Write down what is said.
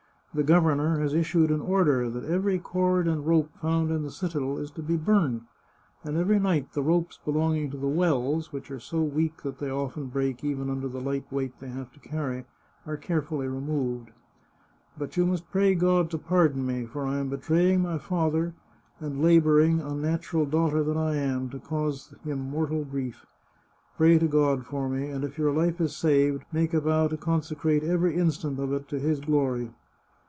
The governor has issued an order that every cord and rope found in the citadel is to be burned, and every night the ropes belonging to the wells — which are so weak that they often break even under the light weight they have to carry — are carefully removed. But you must pray God to pardon me, for I am betraying my father, and labour ing, unnatural daughter that I am, to cause him mortal grief. Pray to God for me, and if your life is saved, make a vow to consecrate every instant of it to his glory.